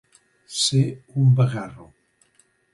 Ser un vagarro.